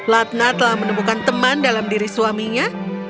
latna telah menemukan teman dalam diri suaminya